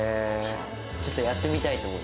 ちょっとやってみたいと思い